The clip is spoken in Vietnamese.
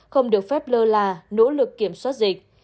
không được phép lơ là nỗ lực kiểm soát dịch